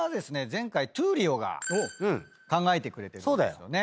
前回トゥーリオが考えてくれてるんですよね。